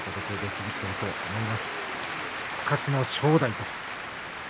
復活の正代と。